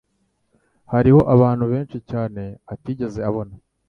Hariho abantu benshi cyane atigeze abona